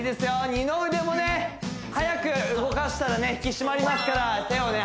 二の腕もね速く動かしたらね引き締まりますから手をね